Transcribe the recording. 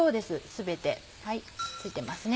全てついてますね。